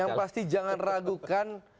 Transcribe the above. yang pasti jangan ragukan